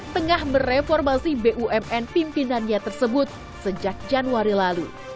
tengah mereformasi bumn pimpinannya tersebut sejak januari lalu